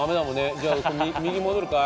じゃあ右戻るかい？